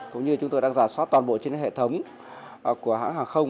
cũng như chúng tôi đang giả soát toàn bộ trên hệ thống của hãng hàng không